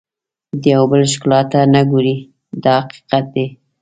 د یو بل ښکلا ته نه ګوري دا حقیقت دی.